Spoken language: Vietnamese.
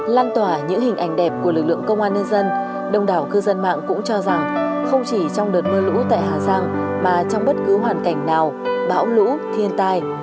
lan tỏa những hình ảnh đẹp của lực lượng công an nhân dân đông đảo cư dân mạng cũng cho rằng không chỉ trong đợt mưa lũ tại hà giang mà trong bất cứ hoàn cảnh nào bão lũ thiên tai